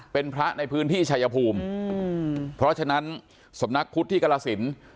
เป็นพระในพื้นที่ชายภูมิเพราะฉะนั้นสำนักพุทธที่กรสิน